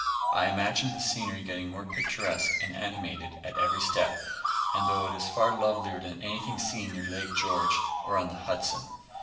I imagined the scenery getting more picturesque and animated at every step, and thought it by far lovelier than anything seen near Lake George or on the Hudson.